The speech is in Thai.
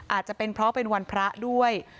อาจจะเป็นเพราะเป็นวันพระด้วย